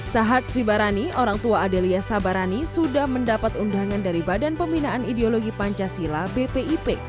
sahat sibarani orang tua adelia sabarani sudah mendapat undangan dari badan pembinaan ideologi pancasila bpip